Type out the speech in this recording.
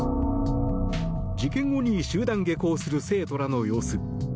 事件後に集団下校する生徒らの様子。